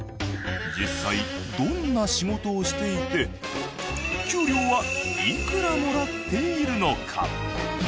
実際どんな仕事をしていて給料はいくらもらっているのか？